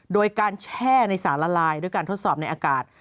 โดยการแช่ในสารละลายด้วยการทดสอบในอากาศ